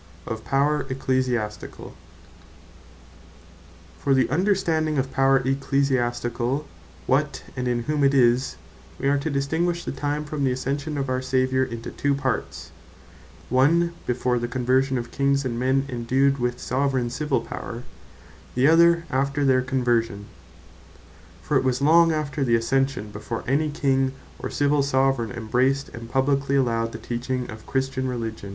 OF POWER ECCLESIASTICALL For the understanding of POWER ECCLESIASTICALL, what, and in whom it is, we are to distinguish the time from the Ascension of our Saviour, into two parts; one before the Conversion of Kings, and men endued with Soveraign Civill Power; the other after their Conversion. For it was long after the Ascension, before any King, or Civill Soveraign embraced, and publiquely allowed the teaching of Christian Religion.